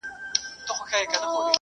دوی زموږ پر پوستکي زهرجن مواد پریږدي.